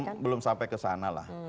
saya kira belum sampai ke sana lah